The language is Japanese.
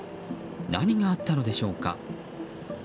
何があったのでしょうか。